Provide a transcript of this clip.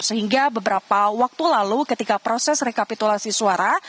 sehingga beberapa waktu lalu ketika proses rekapitulasi suara